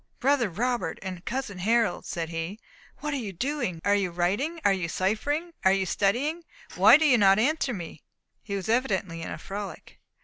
"Brother Robert and cousin Harold," said he, "what are you doing? Are you writing? are you ciphering? are you studying? Why do you not answer me?" He was evidently in a frolic.